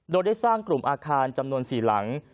โดยได้สร้างกลุ่มอาคารจำนวน๔หลัง